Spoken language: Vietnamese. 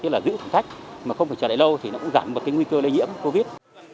tức là giữ khoảng cách mà không phải trở lại lâu thì nó cũng giảm một nguy cơ lây nhiễm covid một mươi chín